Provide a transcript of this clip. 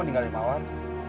aku tinggal di mawar